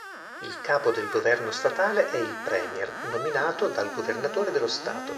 Il capo del governo statale è il Premier, nominato dal governatore dello Stato.